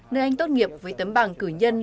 nơi anh tốt nghiệp với tấm bằng cử nhân